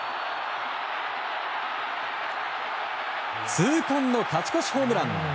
痛恨の勝ち越しホームラン。